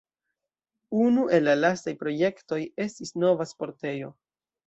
Unu el la lastaj projektoj estis nova sportejo.